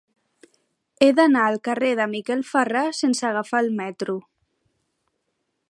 He d'anar al carrer de Miquel Ferrà sense agafar el metro.